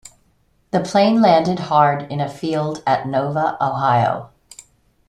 The plane landed hard in a field at Nova, Ohio.